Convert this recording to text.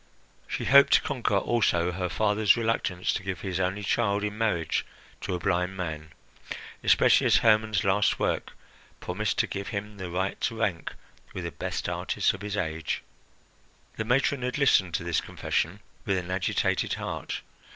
She hoped to conquer also her father's reluctance to give his only child in marriage to a blind man, especially as Hermon's last work promised to give him the right to rank with the best artists of his age. The matron had listened to this confession with an agitated heart.